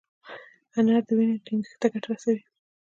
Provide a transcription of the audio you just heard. انار د وینې ټينګښت ته ګټه رسوي.